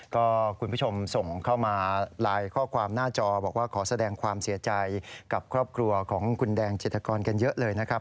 ก็คุณผู้ชมส่งเข้ามาไลน์ข้อความหน้าจอบอกว่าขอแสดงความเสียใจกับครอบครัวของคุณแดงจิตกรกันเยอะเลยนะครับ